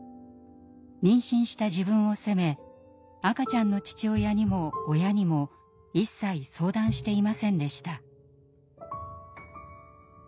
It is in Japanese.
妊娠した自分を責め赤ちゃんの父親にも親にも一切相談していませんでした。